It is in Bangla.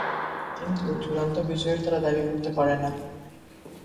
কিন্তু চূড়ান্ত বিজয়ের তারা দাবি করতে পারে না।